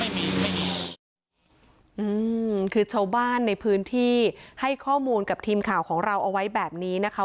อืมคือชาวบ้านในพื้นที่ให้ข้อมูลกับทีมข่าวของเราเอาไว้แบบนี้นะคะ